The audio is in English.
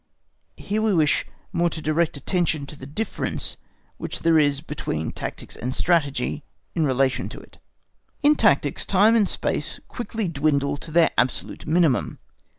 Here we wish more to direct attention to the difference which there is between tactics and Strategy in relation to it. In tactics time and space quickly dwindle to their absolute minimum.